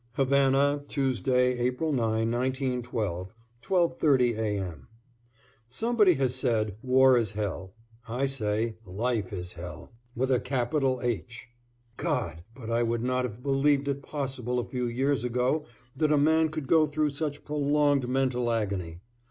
=Havana, Tuesday, April 9, 1912, 12:30 A. M.= Somebody has said, "War is hell." I say, "Life is Hell," with a capital H. God! but I would not have believed it possible a few years ago that a man could go through such prolonged mental agony.